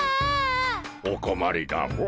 おこまりだモ。